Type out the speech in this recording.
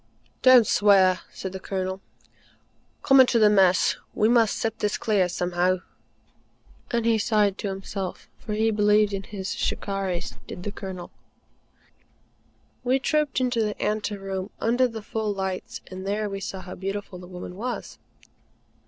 "Don't swear," said the Colonel. "Come into the Mess. We must sift this clear somehow," and he sighed to himself, for he believed in his "Shikarris," did the Colonel. We trooped into the ante room, under the full lights, and there we saw how beautiful the woman was.